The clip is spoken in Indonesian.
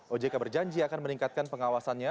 ojk berjanji akan meningkatkan pengawasannya